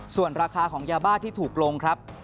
ส่วนราคาของยาบ้าที่ถูกลงครับ